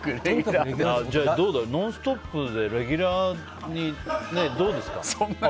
じゃあ、「ノンストップ！」でレギュラーにどうですか？